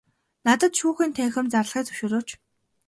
Надад шүүхийн танхим зарлахыг зөвшөөрөөч.